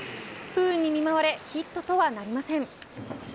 不運に見舞われヒットとはなりません。